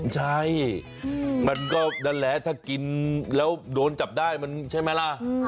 ใช่มันก็นั่นแหละถ้ากินแล้วโดนจับได้มันใช่ไหมล่ะ